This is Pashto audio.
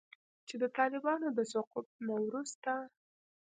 چې د طالبانو د سقوط نه وروسته